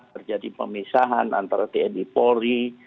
terjadi pemisahan antara tni polri